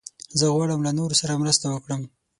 زه غواړم له نورو سره مرسته وکړم.